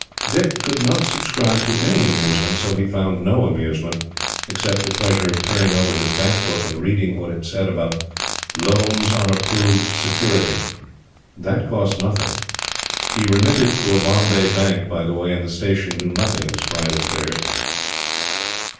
Dicky could not subscribe to any amusement, so he found no amusement except the pleasure of turning over his Bank book and reading what it said about "loans on approved security." That cost nothing. He remitted through a Bombay Bank, by the way, and the Station knew nothing of his private affairs.